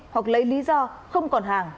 hoặc lấy lý do không còn hàng